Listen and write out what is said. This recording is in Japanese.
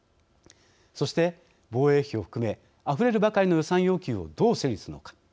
そして、防衛費を含めあふれるばかりの予算要求をどう整理するのか。